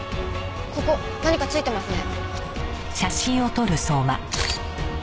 ここ何か付いてますね。